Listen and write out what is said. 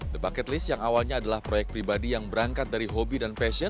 the bucket list yang awalnya adalah proyek pribadi yang berangkat dari hobi dan fashion